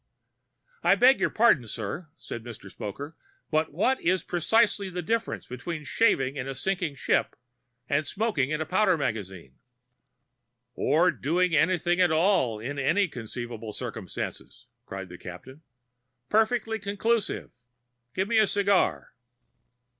"I beg pardon, sir," said Mr. Spoker. "But what is precisely the difference between shaving in a sinking ship and smoking in a powder magazine?" "Or doing anything at all in any conceivable circumstances?" cried the Captain. "Perfectly conclusive; give me a cigar!"